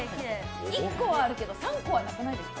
１個はあるけど、３個はなくないですか？